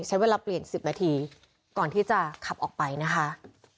ใช้เวลาเปลี่ยน๑๐นาทีก่อนที่จะขับออกไปนะคะ